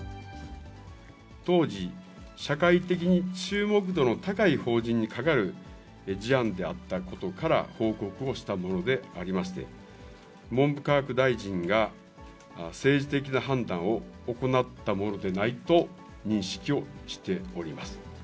当時、社会的に注目度の高い法人にかかる事案であったことから、報告をしたものでありまして、文部科学大臣が政治的な判断を行ったものでないと認識をしております。